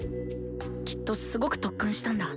きっとすごく特訓したんだ。